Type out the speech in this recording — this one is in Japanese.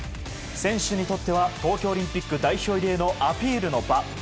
選手にとっては東京オリンピック代表入りへのアピールの場。